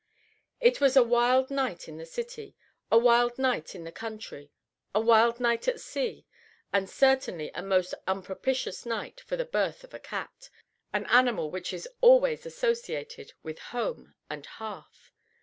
It was a wild night in the city, a wild night in the country, a wild night at sea, and certainly a most unpropitious night for the birth of a cat, an animal which is always associated with home and hearth.